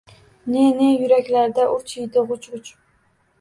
Ne-ne yuraklarda urchiydi g’uj-g’uj.